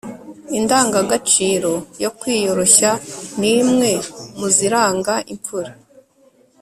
indangagaciro yo kwiyoroshya ni imwe mu ziranga imfura